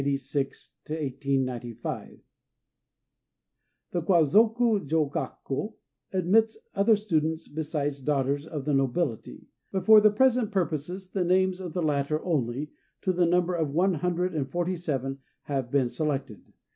The Kwazoku Jogakkô admits other students besides daughters of the nobility; but for present purposes the names of the latter only to the number of one hundred and forty seven have been selected.